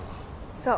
そう。